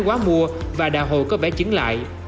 quá mua và đào hồi có bé chứng lại